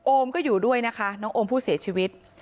มก็อยู่ด้วยนะคะน้องโอมผู้เสียชีวิต